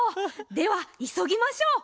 ではいそぎましょう。